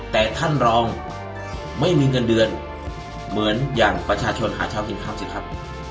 แต่ท่านรองไม่มีเงินเดือนเหมือนอย่างประชาชนหาเช้ากินค่ำสิครับ